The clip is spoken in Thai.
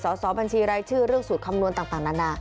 สอบบัญชีรายชื่อเรื่องสูตรคำนวณต่างนานา